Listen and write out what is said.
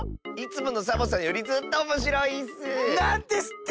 いつものサボさんよりずっとおもしろいッス！